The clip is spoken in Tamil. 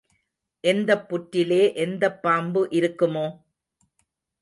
எந்தப் புற்றிலே எந்தப் பாம்பு இருக்குமோ?